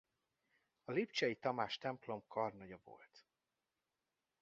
A lipcsei Tamás templom karnagya volt.